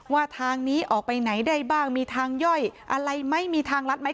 ว่าทางนี้ออกไปไหนได้บ้างมีทางย่อยอะไรไหมมีทางลัดไหม